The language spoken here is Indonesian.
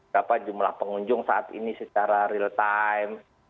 berapa jumlah pengunjung saat ini secara real time